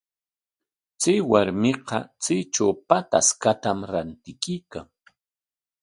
Chay warmiqa chaytraw pataskatam rantikuykan.